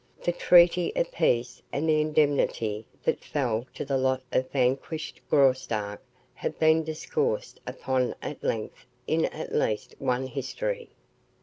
The treaty of peace and the indemnity that fell to the lot of vanquished Graustark have been discoursed upon at length in at least one history.